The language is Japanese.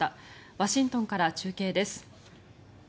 ワシントンから中継です。